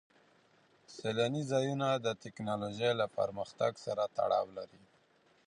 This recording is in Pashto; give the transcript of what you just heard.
سیلاني ځایونه د تکنالوژۍ له پرمختګ سره تړاو لري.